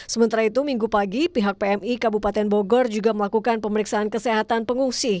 sementara itu minggu pagi pihak pmi kabupaten bogor juga melakukan pemeriksaan kesehatan pengungsi